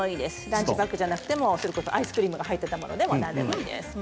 ランチバッグじゃなくてもアイスクリームが入っていたものでもいいです。